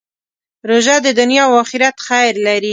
روژه د دنیا او آخرت خیر لري.